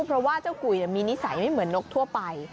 เพราะว่าเจ้ากุยมีนิสัยไม่เหมือนนกทั่วไป